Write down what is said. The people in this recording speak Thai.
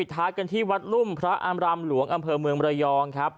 ทุ่มพระอำรามหลวงอำเภอเมืองมรยองครับ